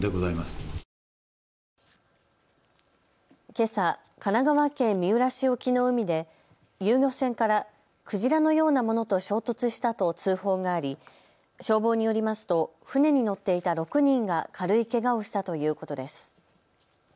けさ神奈川県三浦市沖の海で遊漁船からクジラのようなものと衝突したと通報があり消防によりますと船に乗っていた６人が軽いけがをしたということです。